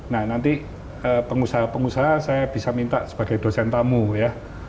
nah nanti pengusaha pengusaha saya bisa minta sebagai dosen tamu ya